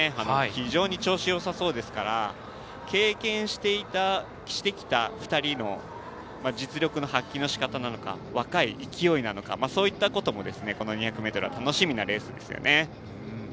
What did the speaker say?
非常に調子よさそうですから経験してきた２人の実力の発揮のしかたなのか若い勢いなのかそういったこともこの２００ｍは楽しみなレースですよね。